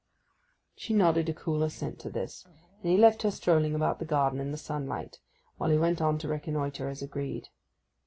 She nodded a cool assent to this, and he left her strolling about the garden in the sunlight while he went on to reconnoitre as agreed.